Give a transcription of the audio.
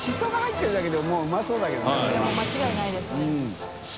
いやもう間違いないですね。